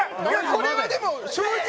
これはでも正直。